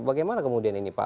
bagaimana kemudian ini pak